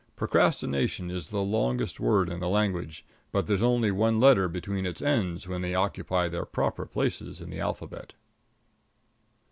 Procrastination is the longest word in the language, but there's only one letter between its ends when they occupy their proper places in the alphabet.